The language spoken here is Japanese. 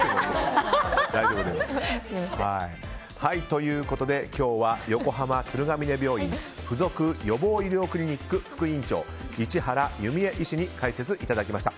ということで、今日は横浜鶴ヶ峰病院付属予防医療クリニック副院長、市原由美江医師に解説いただきました。